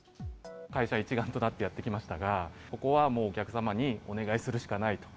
会社一丸となってやってきましたが、ここはもう、お客様にお願いするしかないと。